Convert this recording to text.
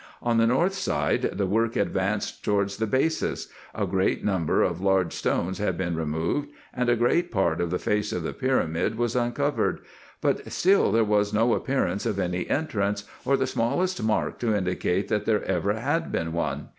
On the north side the work advanced towards the basis ; a great number of large stones had been removed, and a great part of the face of the pyramid was uncovered, but still there was no appearance of any entrance, or the smallest mark to indicate that there ever had been one.